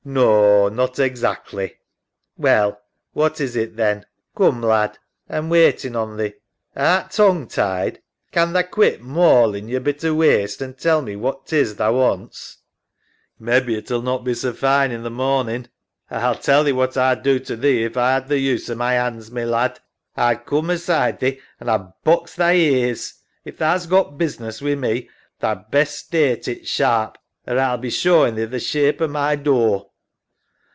SAM. Naw, not exactly. SARAH. Well, what is it then? Coom, lad, A'm waitin' on thee. Art tongue tied? Can't tha quit mawlin' yon bit o' waste an' tell me what 'tis tha wants? SAM (desperately). Mebbe it'll not be so fine in th' mornin'. SARAH. A'll tell thee what A'd do to thee if A 'ad the use o' my 'ands, my lad. A'd coom aside thee and A'd box thy ears. If tha's got business wi' me, tha'd best state it sharp or A'll be showin' thee the shape o' my door.